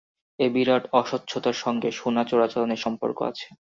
এই বিরাট অস্বচ্ছতার সঙ্গে সোনা চোরাচালানের সম্পর্ক আছে।